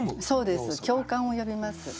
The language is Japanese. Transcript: そうです共感を呼びます。